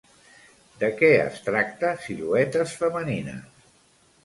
De què es tracta Siluetes femenines?